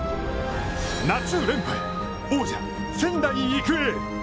夏連覇へ、王者・仙台育英。